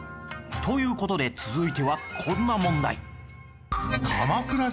という事で続いてはこんな問題。